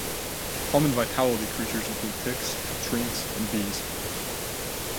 Common Vitality creatures include ticks, treants, and bees.